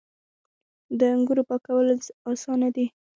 د انګورو پاکول اسانه دي.